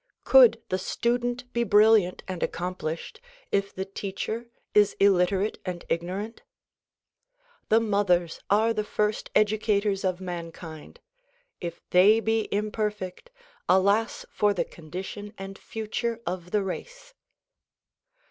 Could the student be brilliant and accomplished if the teacher is illiterate and ignorant? The mothers are the first educators of mankind ; if they be imperfect, alas for the condition and future of the race.